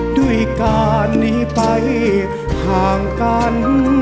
ด้วยการหนีไปห่างกัน